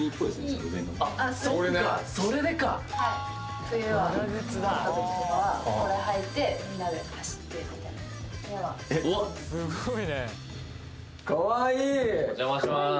そっかそれでか・はい冬は積もった時とかはこれ履いてみんなで走ってみたいなおっお邪魔します